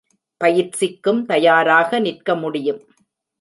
பயிற்சிக்கும் தயாராக நிற்க முடியும்.